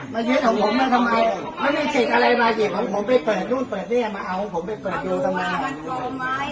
มาหยิดของผมก็ทำไมไม่ได้จีบอะไรมาหยิดของผมไปเปิดรุ่นเปิดเรียนมาเอาของผมไปเปิดรุ่นทำไม